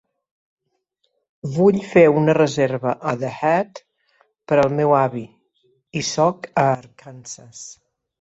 Vull fer una reserva a The Hat per al meu avi i soc a Arkansas.